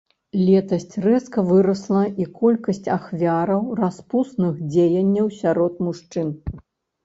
Летась рэзка вырасла і колькасць ахвяраў распусных дзеянняў сярод мужчын.